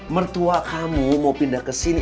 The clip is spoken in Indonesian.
mertua kamu mau pindah kesini